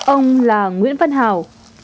ông là nguyễn văn hảo